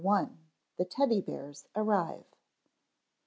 _The Teddy Bears Arrive.